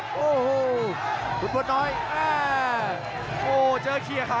ต้องการสวัสดีค่ะ